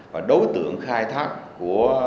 và đối tượng khai thác